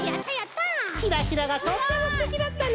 ヒラヒラがとってもすてきだったね。